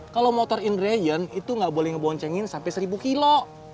kalau motor inrayen itu gak boleh diboncengin sampe seribu kilo